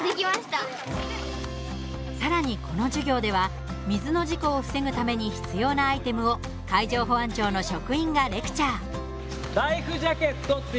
さらにこの授業では水の事故を防ぐために必要なアイテムを海上保安庁の職員がレクチャー。